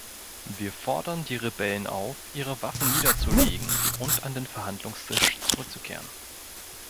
Wir fordern die Rebellen auf, ihre Waffen niederzulegen und an den Verhandlungstisch zurückzukehren.